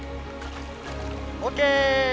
ＯＫ！